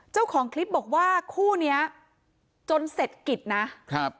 เจ้าของคลิปบอกว่าคู่เนี้ยจนเสร็จกิจนะครับ